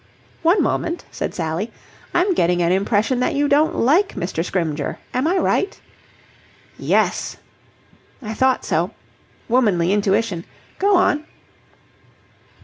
"One moment," said Sally. "I'm getting an impression that you don't like Mr. Scrymgeour. Am I right?" "Yes!" "I thought so. Womanly intuition! Go on."